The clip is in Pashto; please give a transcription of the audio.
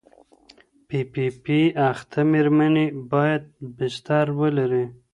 پي پي پي اخته مېرمنې باید بستر ولري.